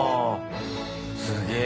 すげえ。